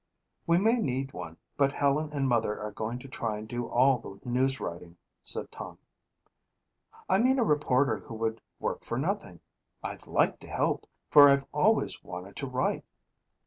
"We may need one but Helen and Mother are going to try and do all the news writing," said Tom. "I mean a reporter who would work for nothing. I'd like to help for I've always wanted to write."